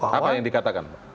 apa yang dikatakan